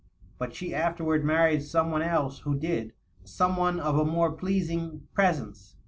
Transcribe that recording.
But she afterward married some one else who did — some one of a more pleasing presence.